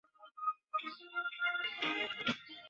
所以外要穿着曲裾深衣。